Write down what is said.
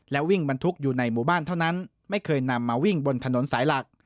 วิ่งบรรทุกอยู่ในหมู่บ้านเท่านั้นไม่เคยนำมาวิ่งบนถนนสายหลัก